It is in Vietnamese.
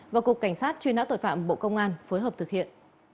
và cục cảnh sát truy nã tội phạm bộ công an phối hợp thực hiện